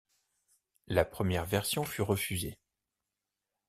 La première version fut refusée.